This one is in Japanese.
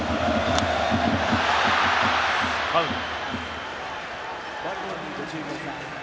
ファウル。